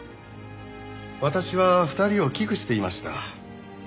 私は２人を危惧していました。